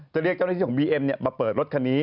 เรียกเจ้าหน้าที่ของบีเอ็มมาเปิดรถคันนี้